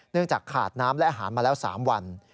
จากขาดน้ำและอาหารมาแล้ว๓วัน